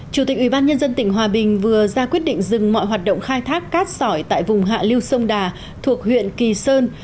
chủ tịch ubnd tỉnh hòa bình vừa ra quyết định dừng mọi hoạt động khai thác cát sỏi tại vùng hạ lưu sông đà thuộc huyện kỳ sơn